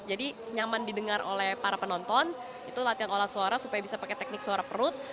jadi nyaman didengar oleh para penonton itu latihan olah suara supaya bisa pake teknik suara perut